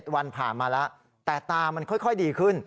วันผ่านมาแล้วแต่ตามันค่อยดีขึ้น